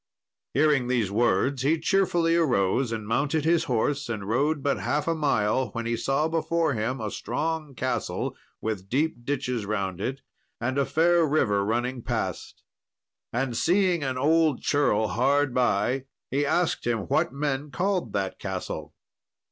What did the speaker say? Hearing these words he cheerfully arose, and mounted his horse, and rode but half a mile, when he saw before him a strong castle, with deep ditches round it, and a fair river running past. And seeing an old churl hard by, he asked him what men called that castle.